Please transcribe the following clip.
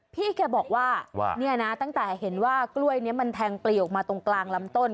พี่แกบอกว่าเนี่ยนะตั้งแต่เห็นว่ากล้วยนี้มันแทงปลีออกมาตรงกลางลำต้น